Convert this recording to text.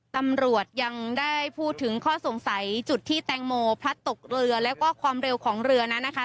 ตำรวจยังได้พูดถึงข้อสงสัยจุดที่แตงโมพลัดตกเรือแล้วก็ความเร็วของเรือนั้นนะคะ